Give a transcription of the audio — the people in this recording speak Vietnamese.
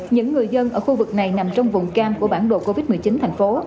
những người dân ở khu vực này nằm trong vùng cam của bản đồ covid một mươi chín thành phố